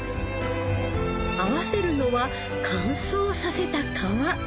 合わせるのは乾燥させた皮。